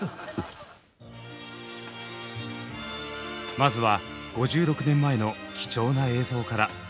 まずは５６年前の貴重な映像から。